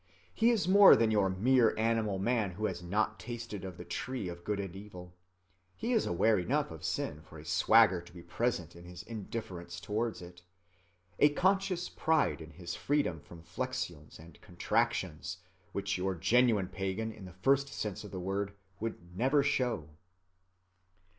He is more than your mere animal man who has not tasted of the tree of good and evil. He is aware enough of sin for a swagger to be present in his indifference towards it, a conscious pride in his freedom from flexions and contractions, which your genuine pagan in the first sense of the word would never show.